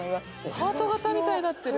ハート型みたいになってる。